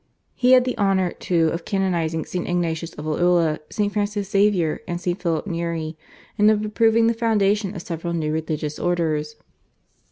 He had the honour, too, of canonising St. Ignatius of Loyola, St. Francis Xavier, and St. Philip Neri, and of approving the foundation of several new religious orders.